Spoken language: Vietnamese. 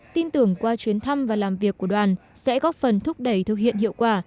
tin tưởng qua chuyến thăm và làm việc của đoàn sẽ góp phần thúc đẩy thực hiện hiệu quả